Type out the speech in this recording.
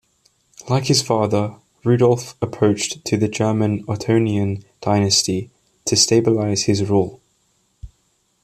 Like his father, Rudolph approached to the German Ottonian dynasty to stabilise his rule.